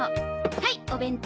はいお弁当。